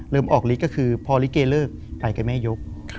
เริ่มออกฤทธิ์ก็คือพอลิเกฮเลิกไปกับแม่ยก